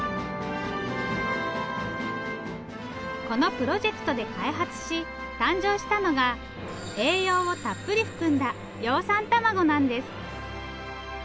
このプロジェクトで開発し誕生したのが栄養をたっぷり含んだ葉酸たまごなんです。